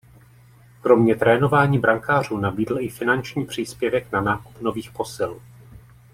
Kromě trénování brankářů nabídl i finanční příspěvek na nákup nových posil.